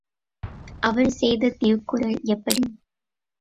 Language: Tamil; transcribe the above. அவர் செய்த திருக்குறள் எப்படி?